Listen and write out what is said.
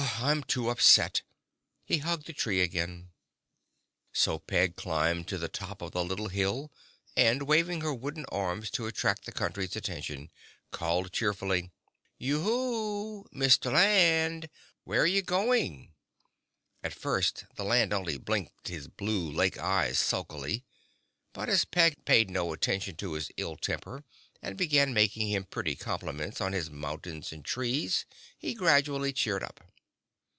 "I'm too upset." He hugged the tree again. So Peg climbed to the top of the little hill and, waving her wooden arms to attract the Country's attention, called cheerfully: "Yoho, Mr. Land! Where are you going?" [Illustration: (unlabelled)] At first the Land only blinked his blue lake eyes sulkily but, as Peg paid no attention to his ill temper and began making him pretty compliments on his mountains and trees, he gradually cheered up.